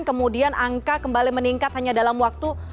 kemudian angka kembali meningkat hanya dalam waktu